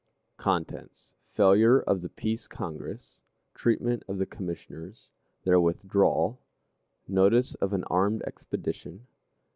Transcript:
_ CHAPTER I. Failure of the Peace Congress. Treatment of the Commissioners. Their Withdrawal. Notice of an Armed Expedition.